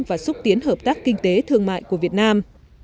và xúc tiến hợp tác kinh tế thương mại của việt nam